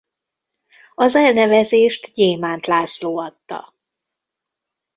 Az elnevezést Gyémánt László adta.